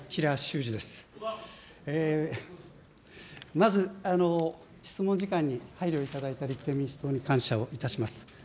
まず質問時間に配慮いただいた立憲民主党に感謝いたします。